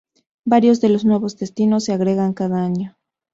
Varios de los nuevos destinos se agregan cada año.